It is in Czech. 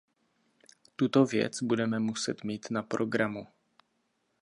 Tuto věc budeme muset mít na programu.